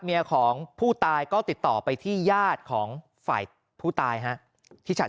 เมียของผู้ตายก็ติดต่อไปที่ญาติของฝ่ายผู้ตายฮะที่ฉัด